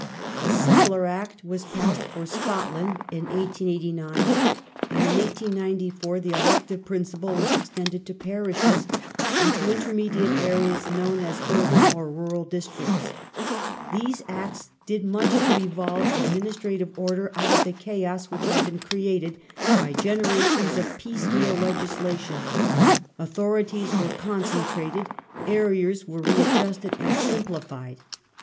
ment 1901] NATIONAL EXPENDITURE 529 A similar Act was passed for Scotland in 1889, and in 1894 the elective principle was extended to parishes, and to intermediate areas known as urban or rural districts. These Acts did much to evolve administrative order out of the chaos which had been created by generations of piece meal legislation ; authorities were concen trated ; areas were readjusted and simplified.